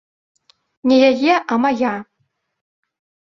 Не яе, а мая.